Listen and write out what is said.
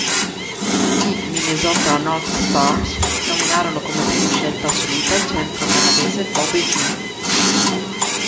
I Minnesota North Stars nominarono come prima scelta assoluta il centro canadese Bobby Smith.